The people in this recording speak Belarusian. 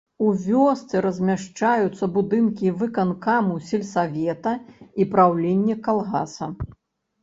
У вёсцы размяшчаюцца будынкі выканкаму сельсавета і праўлення калгаса.